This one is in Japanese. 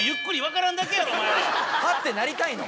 ハッてなりたいの。